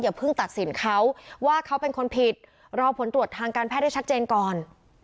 เพิ่งตัดสินเขาว่าเขาเป็นคนผิดรอผลตรวจทางการแพทย์ให้ชัดเจนก่อน